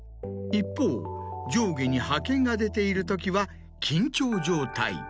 一方上下に波形が出ているときは緊張状態。